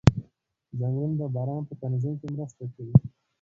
ځنګلونه د باران په تنظیم کې مرسته کوي